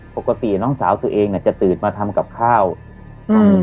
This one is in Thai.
ปกติน้องสาวตัวเองเนี่ยจะตื่นมาทำกับข้าวครับ